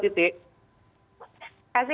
terima kasih mbak titi